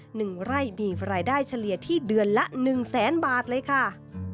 หนึ่งไร่มีรายได้เฉลี่ยที่เดือนละหนึ่งแสนบาทเลยค่ะ